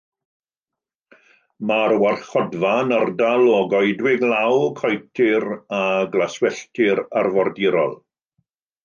Mae'r warchodfa yn ardal o goedwig law, coetir a glaswelltir arfordirol.